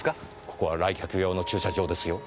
ここは来客用の駐車場ですよ？